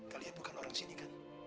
kalian bukan orang sini kan